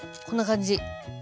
こんな感じ。